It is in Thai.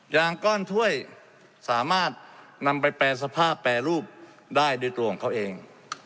ยางก้อนถ้วยสามารถนำไปแปรสภาพแปรรูปได้ด้วยตัวของเขาเอง